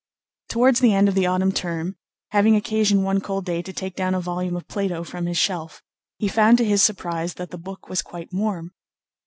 Towards the end of the autumn term, having occasion one cold day to take down a volume of Plato from its shelf, he found to his surprise that the book was quite warm.